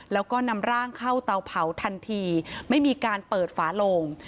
แล้วก็นำร่างเข้าเตาเผาทันทีไม่มีการเปิดฝาโลง